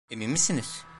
Emin misiniz?